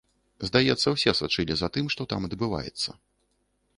Здаецца, усе сачылі за тым, што там адбываецца.